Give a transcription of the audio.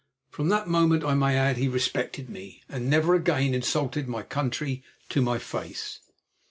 From that moment, I may add, he respected me, and never again insulted my country to my face.